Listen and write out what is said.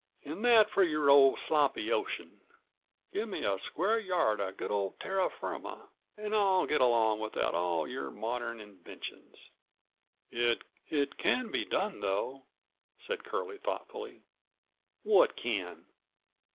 "And that for your old sloppy ocean! Give me a square yard of good old terra firma and I'll get along without all your modern inventions." "It can be done, though," said Curlie thoughtfully. "What can?"